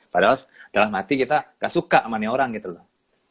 padahal dalam hati kita nggak suka amannya orang gitu loh